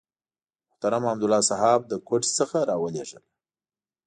محترم حمدالله صحاف له کوټې څخه راولېږله.